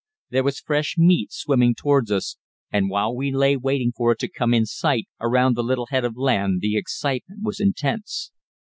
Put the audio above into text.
There was fresh meat swimming towards us, and while we lay waiting for it to come in sight around the little head of land the excitement was intense.